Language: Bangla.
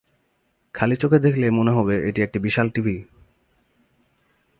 খালি চোখে দেখলে মনে হবে একটি বিশাল ঢিবি।